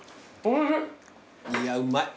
いやうまい。